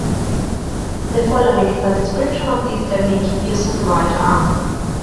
The following is a description of this technique using the right arm.